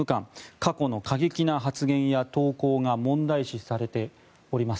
過去の過激な発言や投稿が問題視されております。